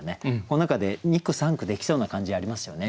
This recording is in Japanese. この中で２句３句できそうな感じありますよね。